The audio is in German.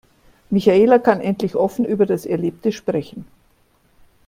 Michaela kann endlich offen über das Erlebte sprechen.